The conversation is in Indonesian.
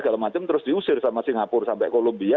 gala macem terus diusir sama singapura sampai columbia